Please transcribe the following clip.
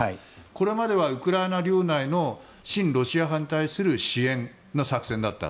これまではウクライナ領内の親ロシア派に対する支援の作戦だった。